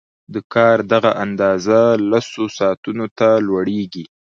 د کار دغه اندازه لسو ساعتونو ته لوړېږي